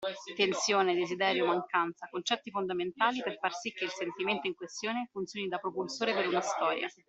Tensione, desiderio, mancanza: concetti fondamentali per far sì che il sentimento in questione funzioni da propulsore per una storia.